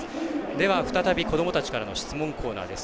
では、再び子どもたちからの質問コーナーです。